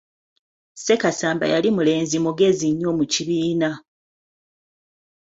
Sekasamba yali mulenzi mugezi nnyo mu kibiina.